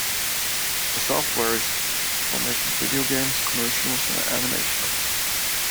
The software is for making video games, commercials, and animation.